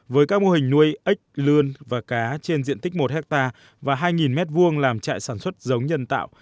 với các mô hình nuôi ếch lươn và cá trên diện tích một hectare và hai m hai làm trại sản xuất giống nhân tạo